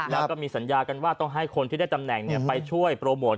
แล้วก็มีสัญญากันว่าต้องให้คนที่ได้ตำแหน่งไปช่วยโปรโมท